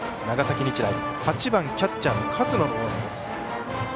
打席には８番キャッチャーの勝野。